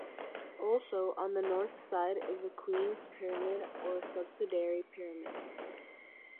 Also on the north side is the Queen's Pyramid or subsidiary pyramid.